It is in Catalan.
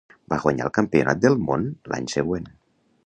Va guanyar el Campionat del Món l'any següent.